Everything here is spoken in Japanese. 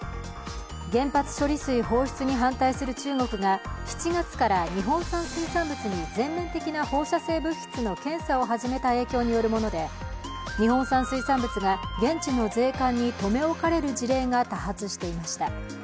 原発処理水放出に反対する中国が７月から日本産水産物の全面的な放射性物質の検査を始めた影響によるもので、日本産水産物が現地の税関に留め置かれる事例が多発していました。